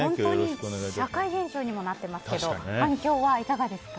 社会現象にもなっていますが反響はいかがですか？